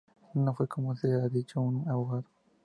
No fue, como se ha dicho, un abogado.